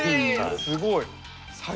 すごい。